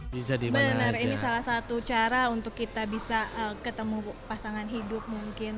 benar ini salah satu cara untuk kita bisa ketemu pasangan hidup mungkin